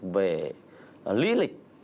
về lý lịch